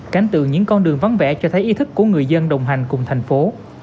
cảnh tượng những con đường vắng vẻ cho thấy ý thức của người dân đồng hành cùng thành phố